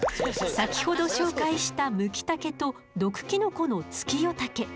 先ほど紹介したムキタケと毒キノコのツキヨタケ。